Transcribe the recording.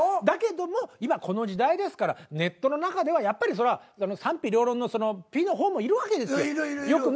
だけども今この時代ですからネットの中ではやっぱりそら賛否両論の否の方もいるわけですよ。